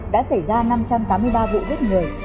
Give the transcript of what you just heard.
đã xảy ra năm trăm tám mươi ba vụ giết người